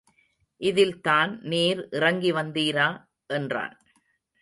இதில்தான் நீர் இறங்கி வந்தீரா? என்றான்.